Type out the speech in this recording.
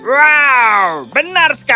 wah benar sekali